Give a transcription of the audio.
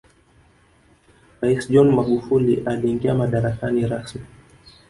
raisi john magufuli aliingia madarakani rasmi